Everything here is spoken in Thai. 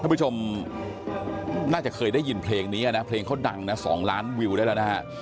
ผู้ชมน่าจะเคยได้ยินเพลงนี้นะเพลงเขาดังนะ๒ล้านวิวได้แล้วนะฮะ